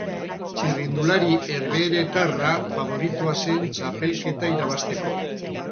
Txirrindulari herbeheretarra faboritoa zen txapelketa irabazteko.